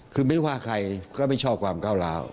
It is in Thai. คือไม่ว่าใครก็ไม่ชอบความก้าวร้าว